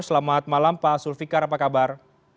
selamat malam pak sulfikar apa kabar